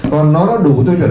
còn nó đã đủ tiêu chuẩn